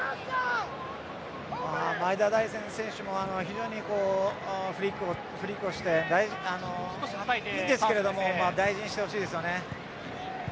前田大然選手も非常にフリックをしていいんですけれども大事にしてほしいですよね。